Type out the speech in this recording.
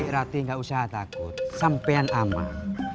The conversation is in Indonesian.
rati nggak usah takut sampean aman